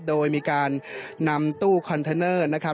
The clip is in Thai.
โดยมีการนำตู้คอนเทนเนอร์นะครับ